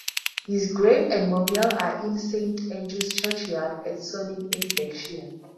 His grave and memorial are in Saint Andrew's churchyard at Sonning in Berkshire.